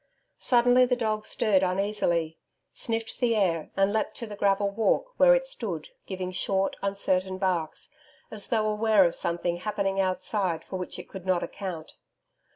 Suddenly the dog stirred uneasily, sniffed the air and leaped to the gravel walk where it stood giving short, uncertain barks, as though aware of something happening outside for which it could not account.